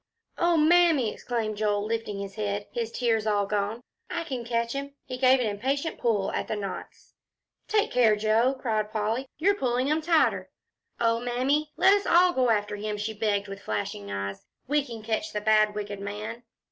"Oh, Mammy!" exclaimed Joel, lifting up his head, his tears all gone. "I can catch him." He gave an impatient pull at the knots. "Take care, Joe," cried Polly, "you're pulling 'em tighter. Oh, Mammy, let us all go after him," she begged with flashing eyes. "We can catch the bad wicked man."